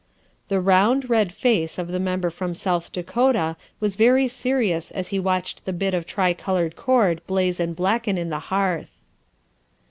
'' The round, red face of the Member from South Dakota was very serious as he watched the bit of tri colored cord blaze and blacken in the hearth.